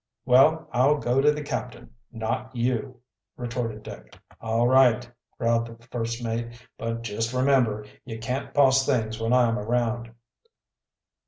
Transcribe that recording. "Well, I'll go to the captain, not you," retorted Dick. "All right," growled the first mate. "But just remember you can't boss things when I'm around."